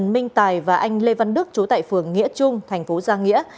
minh tài và anh lê văn đức chú tại phường nghĩa trung thành phố giang nghĩa